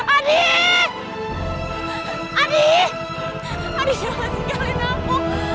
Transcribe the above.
adi tunggu aku